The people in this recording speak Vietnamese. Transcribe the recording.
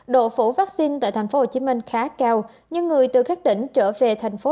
độ phủ vaccine tại tp hcm khá cao